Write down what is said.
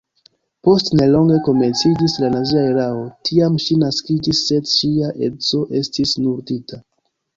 Post nelonge komenciĝis la nazia erao, tiam ŝi kaŝiĝis sed ŝia edzo estis murdita.